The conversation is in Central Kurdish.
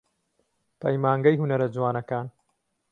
پەیمانگەی هونەرە جوانەکان